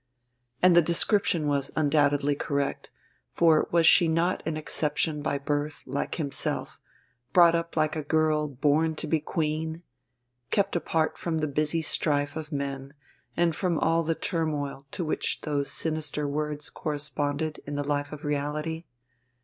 And the description was undoubtedly correct, for was she not an exception by birth like himself, brought up like a girl "born to be queen," kept apart from the busy strife of men and from all the turmoil to which those sinister words corresponded in the life of reality?